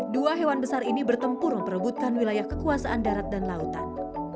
dua hewan besar ini bertempur memperebutkan wilayah kekuasaan darat dan lautan